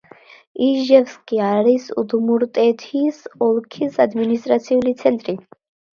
იჟევსკი არის უდმურტეთის ოლქის ადმინისტრაციული ცენტრი.